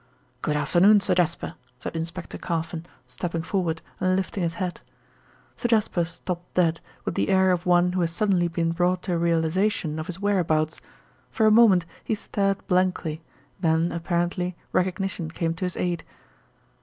"Good afternoon, Sir Jasper," said Inspector Carfon, stepping forward and lifting his hat. Sir Jasper stopped dead, with the air of one who has suddenly been brought to a realisation of his whereabouts. For a moment he stared blankly, then apparently recognition came to his aid.